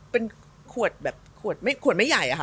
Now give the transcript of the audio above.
เป็นขวดแบบขวดไม่ใหญ่อะค่ะ